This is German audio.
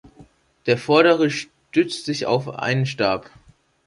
Der vordere stützt sich auf einen Stab.